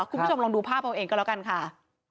คุณผู้ชมลองดูภาพเอาเองก็แล้วกันค่ะ